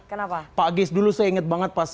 kenapa pak gies dulu saya ingat banget